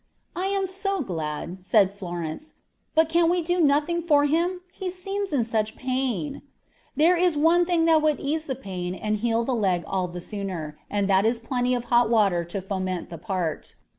"'I am so glad,' said Florence; 'but can we do nothing for him? he seems in such pain.' "'There is one thing that would ease the pain and heal the leg all the sooner, and that is plenty of hot water to foment the part.'